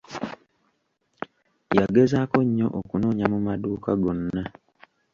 Yagezaako nnyo okunoonya mu maduuka gonna.